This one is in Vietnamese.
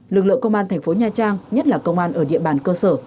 lực lượng công an thành phố nha trang nhất là công an ở địa bàn cơ sở